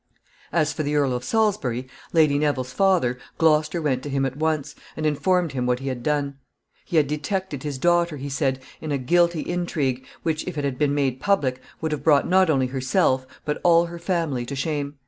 As for the Earl of Salisbury, Lady Neville's father, Gloucester went to him at once, and informed him what he had done. He had detected his daughter, he said, in a guilty intrigue, which, if it had been made public, would have brought not only herself, but all her family, to shame.